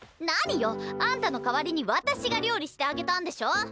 何よ！あんたの代わりに私が料理してあげたんでしょ！